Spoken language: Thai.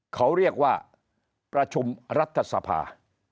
เขาเรียกว่าประชุมรัฐสภา